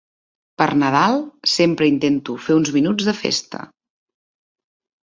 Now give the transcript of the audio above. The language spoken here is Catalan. Per Nadal sempre intento fer uns minuts de festa.